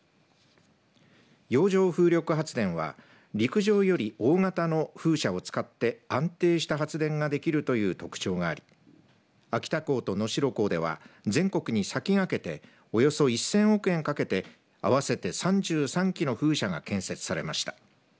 洋上風力発電は陸上より大型の風車を使って安定した発電が出来るという特徴があり秋田港と能代港では全国に先駆けておよそ１０００億円かけて合わせて３３基の風車が建設されました。